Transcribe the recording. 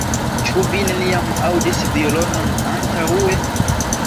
Ĉu vi neniam aŭdis violonon antaŭe?